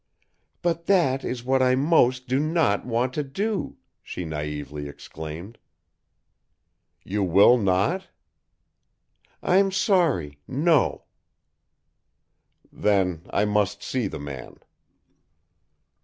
"But that is what I most do not want to do!" she naïvely exclaimed. "You will not?" "I'm sorry. No." "Then I must see the man."